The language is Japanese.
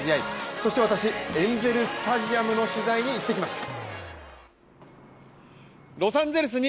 そして私、エンゼル・スタジアムの取材に行ってきました。